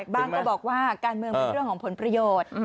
ก็บอกว่าการเมืองเป็นเรื่องของผลประโยชน์